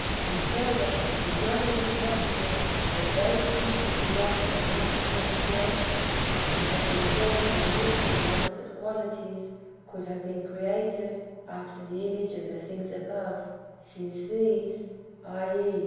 And further, it is not even possible that those things which belong to a multiform creation, and have been formed with mutually opposite qualities, [could have been created] after the image of the things above, since these {i.e.